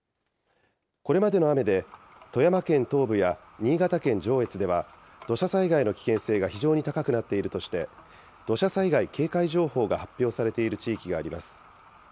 これまでの雨で、富山県東部や新潟県上越では土砂災害の危険性が非常に高くなっているとして、土砂災害警戒情報が発表されている地域があります。